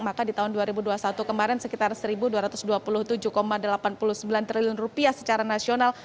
maka di tahun dua ribu dua puluh satu kemarin sekitar rp satu dua ratus dua puluh tujuh delapan puluh sembilan triliun secara nasional